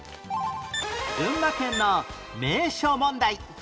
群馬県の名所問題